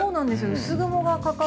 薄雲がかかって。